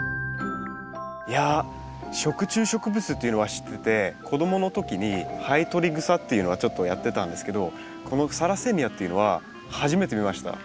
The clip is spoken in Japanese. いや食虫植物っていうのは知ってて子供の時にハエトリグサっていうのはちょっとやってたんですけどこのサラセニアっていうのは初めて見ました。